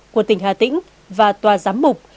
của tỉnh hà tĩnh và tòa giám mục